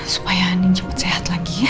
supaya ini cepat sehat lagi ya